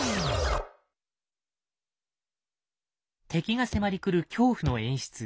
敵が迫りくる恐怖の演出。